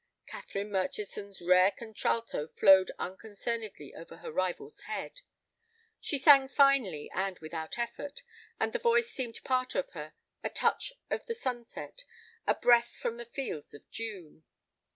Catherine Murchison's rare contralto flowed unconcernedly over her rival's head. She sang finely, and without effort, and the voice seemed part of her, a touch of the sunset, a breath from the fields of June.